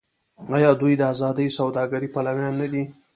آیا دوی د ازادې سوداګرۍ پلویان نه دي؟